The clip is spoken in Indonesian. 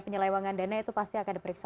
penyelewangan dana itu pasti akan diperiksa